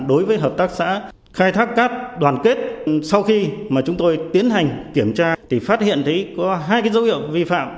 đối với hợp tác xã khai thác cát đoàn kết sau khi mà chúng tôi tiến hành kiểm tra thì phát hiện thấy có hai dấu hiệu vi phạm